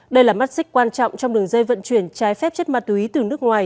đây là mắt xích quan trọng trong đường dây vận chuyển trái phép chất ma túy từ nước ngoài